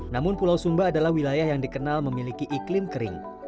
namun pulau sumba adalah wilayah yang dikenal memiliki iklim kering